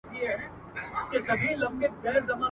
چي دا کلونه راته وايي نن سبا سمېږي ..